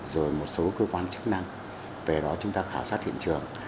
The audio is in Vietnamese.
rồi một số cơ quan chức năng về đó chúng ta khảo sát hiện trường